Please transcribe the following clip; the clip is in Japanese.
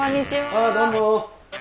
ああどうも。